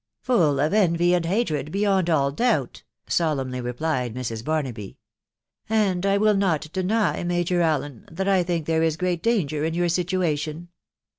iC Full of envy and hatred, beyond all doubt !" solemnly replied Mrs. Barnaby ;" and I will not deny, Major Allen, that I think there is great danger in your situation.